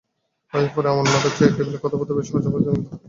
অনেক দিন পরে অন্নদার চায়ের টেবিলে কথাবার্তা বেশ সহজভাবে জমিয়া উঠিল।